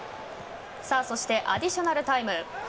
そして、アディショナルタイム。